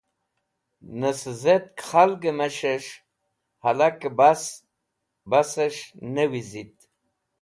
Ne sẽzẽtk khalgẽ mes̃hẽs̃h hẽlakẽ basẽs̃h ne wizit.